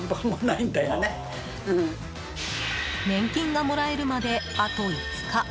年金がもらえるまで、あと５日。